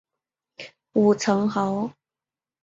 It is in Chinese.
武城侯。